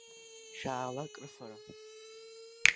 Шәаала акрыфара.